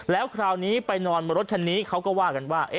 แล้วคราวนี้ไปนอนบนรถคันนี้เขาก็ว่ากันว่า